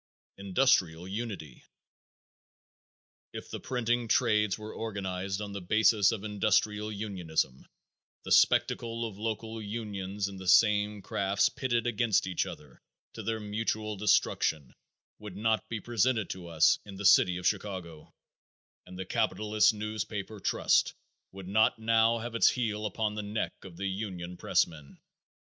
Industrial Unity. If the printing trades were organized on the basis of industrial unionism the spectacle of local unions in the same crafts pitted against each other to their mutual destruction would not be presented to us in the City of Chicago, and the capitalist newspaper trust would not now have its heel upon the neck of the union pressmen.